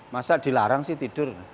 masa dilarang sih tidur